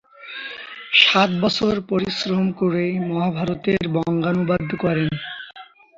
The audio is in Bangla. সাত বছর পরিশ্রম করে মহাভারতের বঙ্গানুবাদ করেন।